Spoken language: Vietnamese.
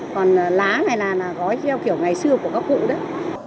còn lá này là gói theo kiểu ngày xưa của các cụ đấy